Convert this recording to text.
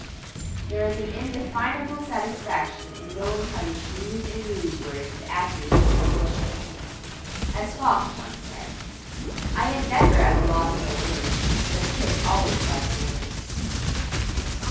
There is an indefinable satisfaction in knowing how to choose and use words with accuracy and precision. As Fox once said, "I am never at a loss for a word, but Pitt always has the word."